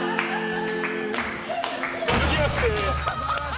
続きまして。